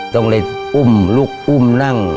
ต้องเลยอุ้มลูกอุ้มนั่ง